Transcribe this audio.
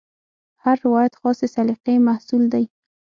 هر روایت خاصې سلیقې محصول دی.